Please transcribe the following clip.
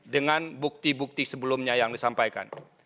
dengan bukti bukti sebelumnya yang disampaikan